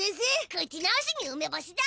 口直しにうめぼしだ！